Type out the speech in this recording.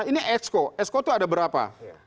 ini exco esko itu ada berapa